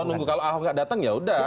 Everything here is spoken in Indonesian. atau nunggu kalau ahok nggak datang ya udah